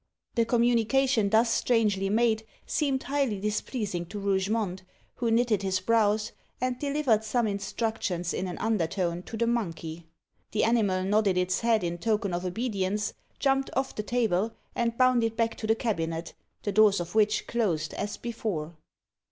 The communication thus strangely made seemed highly displeasing to Rougemont, who knitted his brows, and delivered some instructions in an undertone to the monkey. The animal nodded its head in token of obedience, jumped off the table, and bounded back to the cabinet, the doors of which closed as before.